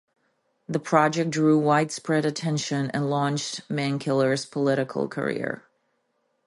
The project drew widespread attention and launched Mankiller's political career.